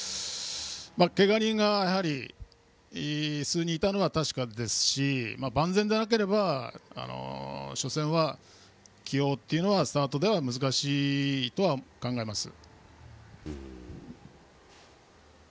けが人が数人いたのは確かですし万全でなければ初戦は、起用というのはスタートでは難しいと考えます。